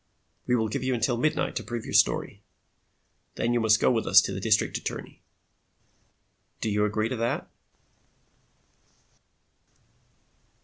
We will give you until midnight to prove your story. Then you must go with us to the district attorney. Do you agree to that?"